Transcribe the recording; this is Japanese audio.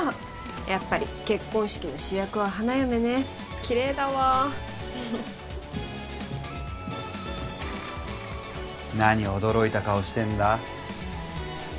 やっぱり結婚式の主役は花嫁ねキレイだわ何驚いた顔してんだ